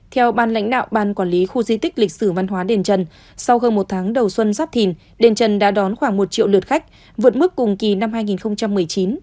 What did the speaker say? theo ban lãnh đạo ban quản lý khu di tích lịch sử văn hóa đền trần sau hơn một tháng đầu xuân giáp thìn đền trần đã đón khoảng một triệu lượt khách vượt mức cùng kỳ năm hai nghìn một mươi chín